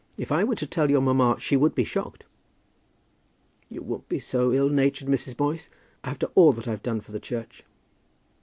If I were to tell your mamma she would be shocked." "You won't be so ill natured, Mrs. Boyce, after all that I've done for the church."